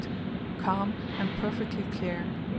calm, and perfectly clear.